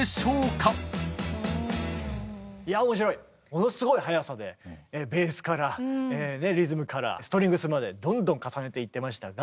ものすごい早さでベースからリズムからストリングスまでどんどん重ねていってましたが。